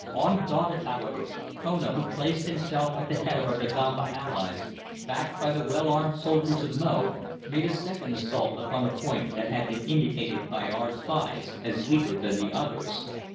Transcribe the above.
Undaunted however, Kona, who placed himself at the head of our Dagomba allies, backed by the well armed soldiers of Mo, made a second assault upon a point that had been indicated by our spies as weaker than the others.